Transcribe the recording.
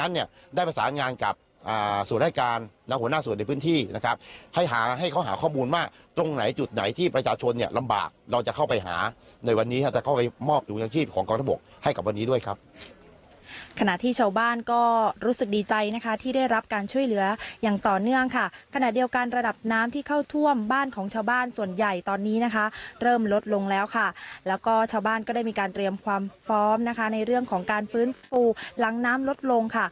ขณะที่ประชาชนเนี่ยลำบากเราจะเข้าไปหาในวันนี้ด้วยครับขณะที่ชาวบ้านก็รู้สึกดีใจนะคะที่ได้รับการช่วยเหลืออย่างต่อเนื่องค่ะขณะเดียวกันระดับน้ำที่เข้าท่วมบ้านของชาวบ้านส่วนใหญ่ตอนนี้นะคะเริ่มลดลงแล้วค่ะแล้วก็ชาวบ้านก็ได้มีการเตรียมความพร้อมนะคะในเรื่องของการฟื้นฟูหลังน้ำลดลงค่ะ